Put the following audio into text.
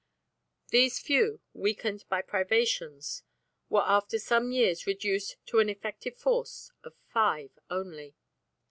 These few, weakened by privations, were after some years reduced to an effective force of five only.